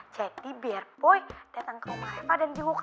jadi biar boy datang ke rumah reva dan jenguk reva